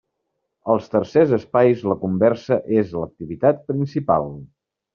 Als tercers espais la conversa és l'activitat principal.